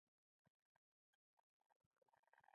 د خپل ډک ژوند بیان کړی دی.